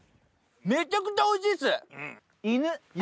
めちゃくちゃおいしいっす！